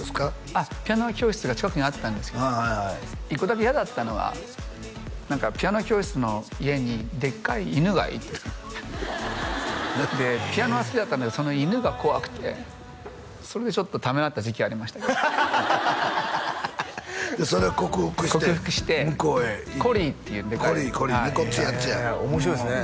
あっピアノ教室が近くにあったんですけど１個だけ嫌だったのは何かピアノ教室の家にでっかい犬がいてピアノは好きだったんだけどその犬が怖くてそれでちょっとためらった時期ありましたそれを克服して克服してコリーっていうでかいコリーコリーねごっついやつや面白いですね